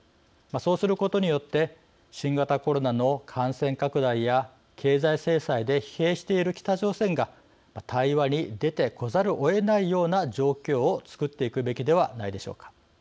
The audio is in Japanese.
そうすることによって新型コロナの感染拡大や経済制裁で疲へいしている北朝鮮が対話に出てこざるをえないような状況をつくっていくべきではないでしょうか。